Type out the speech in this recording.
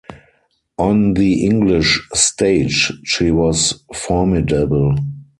On the English stage she was formidable.